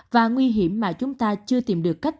và nguy hiểm mà chúng ta chưa tìm được cách